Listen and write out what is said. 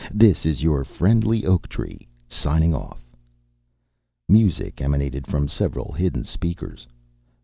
This is your friendly oak tree signing off." Music emanated from several hidden speakers.